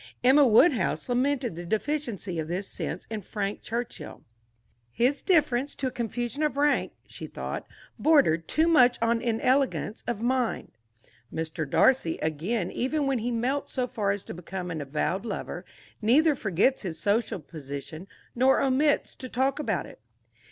Emma Woodhouse lamented the deficiency of this sense in Frank Churchill. "His indifference to a confusion of rank," she thought, "bordered too much on inelegance of mind." Mr. Darcy, again, even when he melts so far as to become an avowed lover, neither forgets his social position, nor omits to talk about it.